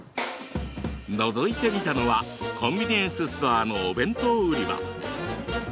のぞいてみたのはコンビニエンスストアのお弁当売り場。